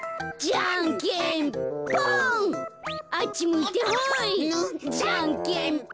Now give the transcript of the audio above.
じゃんけんぽん。